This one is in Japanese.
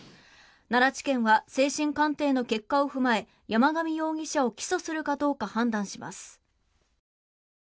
奈良地検は精神鑑定の結果を踏まえ山上容疑者を起訴するかどうか判断します。